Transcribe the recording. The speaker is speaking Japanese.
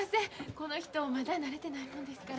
この人まだ慣れてないもんですから。